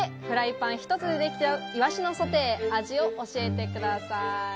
フライパン一つでできちゃうイワシのソテー、味を教えてください。